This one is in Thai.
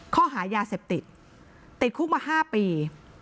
ข้อหายาเสพติดติดคุกมา๕ปี